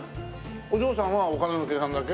お嬢さんはお金の計算だけ？